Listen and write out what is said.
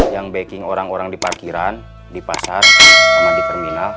yang baking orang orang di parkiran di pasar sama di terminal